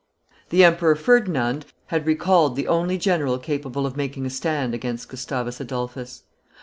The Emperor Ferdinand had recalled the only general capable of making a stand against Gustavus Adolphus.